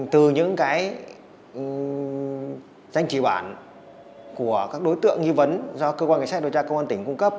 từ những cái danh chỉ bản của các đối tượng nghi vấn do cơ quan kiểm tra công an tỉnh cung cấp